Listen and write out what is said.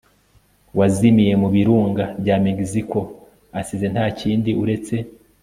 wazimiye mu birunga bya mexico asize nta kindi uretse